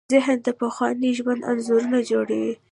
ذهن د پخواني ژوند انځورونه جوړوي.